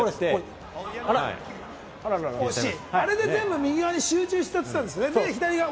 あれで全部右側に集中したんですよね？